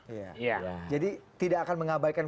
iya jadi tidak akan mengabaikan